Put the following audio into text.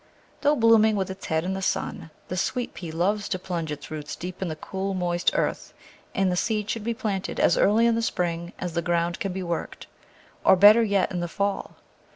Though blooming with its head in the sun, the Sweet pea loves to plunge its roots deep in the cool, moist earth, and the seed should be planted as early in the spring as the ground can be worked, or, better yet, in the fall.